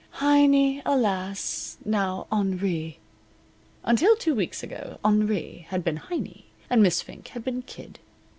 Heiny, alas! now Henri. Until two weeks ago Henri had been Heiny and Miss Fink had been Kid.